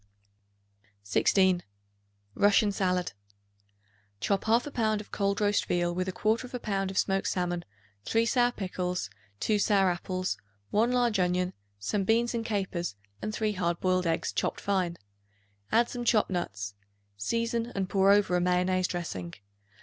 16. Russian Salad. Chop 1/2 pound of cold roast veal with 1/4 pound of smoked salmon, 3 sour pickles, 2 sour apples, 1 large onion, some beans and capers and 3 hard boiled eggs chopped fine. Add some chopped nuts. Season and pour over a mayonnaise dressing.